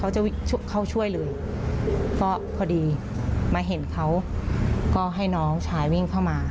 จะเข้าช่วยเลยเพราะพอดีมาเห็นเขาก็ให้น้องชายวิ่งเข้ามา